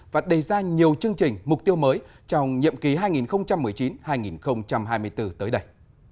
và đề ra nhiều chương trình mục tiêu mới trong nhiệm ký hai nghìn một mươi chín hai nghìn hai mươi bốn tới đây